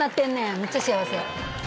めっちゃ幸せや。